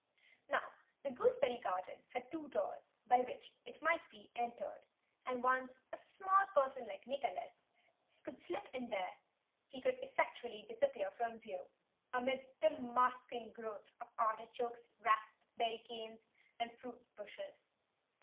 Now the gooseberry garden had two doors by which it might be entered, and once a small person like Nicholas could slip in there he could effectually disappear from view amid the masking growth of artichokes, raspberry canes, and fruit bushes.